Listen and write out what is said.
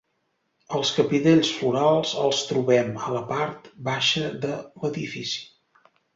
Els capitells florals els trobem a la part baixa de l'edifici.